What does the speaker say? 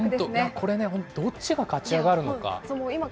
これね、どっちが勝ち上がるのか。